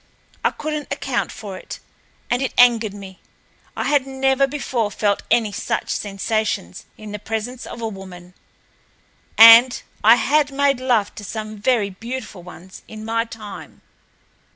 I couldn't account for it, and it angered me; I had never before felt any such sensations in the presence of a woman, and I had made love to some very beautiful ones in my time.